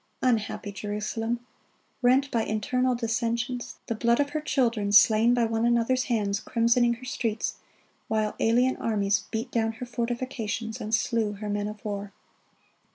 Unhappy Jerusalem! rent by internal dissensions, the blood of her children slain by one another's hands crimsoning her streets, while alien armies beat down her fortifications and slew her men of war!